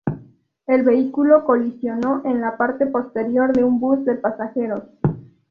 El vehículo colisionó en la parte posterior de un bus de pasajeros.